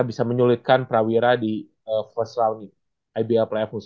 siapa nih yang nantinya bakalan